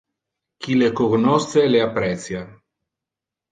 Qui le cognosce le apprecia.